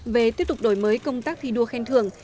về tiếp tục đổi mới công tác thi đua khen thưởng